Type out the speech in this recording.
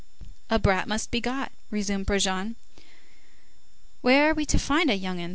"A brat must be got," resumed Brujon. "Where are we to find a young 'un?"